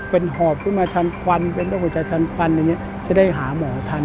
เป็นหอบเพื่อยมีปลอดภัยทานควัญได้หาหมอทัน